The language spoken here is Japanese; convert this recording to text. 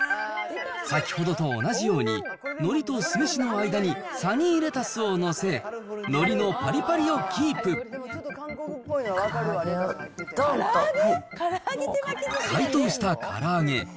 先ほどと同じように、のりと酢飯の間にサニーレタスを載せ、のりの解凍したから揚げ。